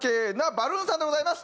バルーンさんでございます。